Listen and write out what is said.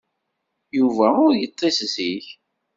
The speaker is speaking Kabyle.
Yuba ur yeṭṭis zik.